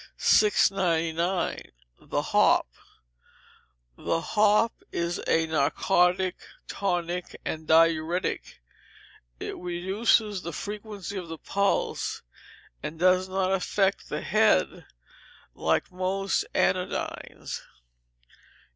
699. The Hop The Hop is a narcotic, tonic, and diuretic; it reduces the frequency of the pulse, and does not affect the head, like most anodynes.